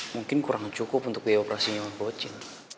mungkin kurang cukup untuk di operasinya sama mbok jin